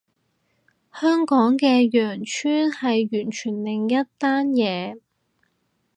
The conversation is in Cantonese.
香港嘅羊村係完全另一單嘢